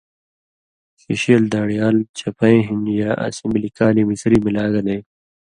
شِشیل دان٘ڑیال چپَیں ہِن یا اسی ملی کالی مصری ملا گلے